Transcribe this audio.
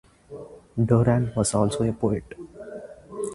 Doran was also a poet.